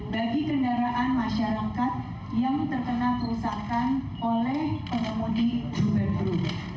bagi kendaraan masyarakat yang terkena kerusakan oleh pengemudi juve